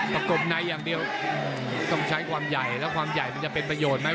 ประกบในอย่างเดียวต้องใช้ความใหญ่แล้วความใหญ่มันจะเป็นประโยชน์ไหม